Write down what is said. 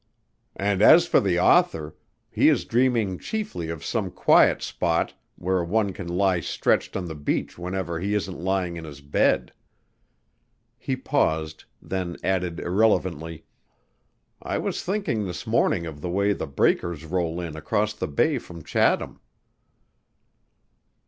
"And as for the author, he is dreaming chiefly of some quiet spot where one can lie stretched on the beach whenever he isn't lying in his bed." He paused, then added irrelevently, "I was thinking this morning of the way the breakers roll in across the bay from Chatham."